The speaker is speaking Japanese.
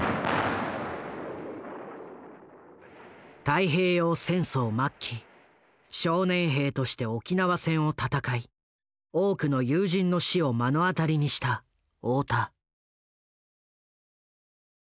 太平洋戦争末期少年兵として沖縄戦を戦い多くの友人の死を目の当たりにした大田。